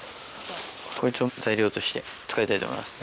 こいつを材料として使いたいと思います。